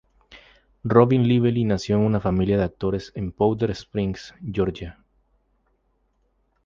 Robyn Lively nació en una familia de actores en Powder Springs, Georgia.